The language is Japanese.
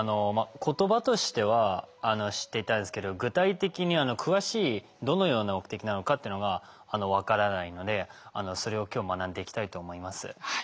言葉としては知っていたんですけど具体的に詳しいどのような目的なのかっていうのが分からないのでそれを今日学んでいきたいと思います。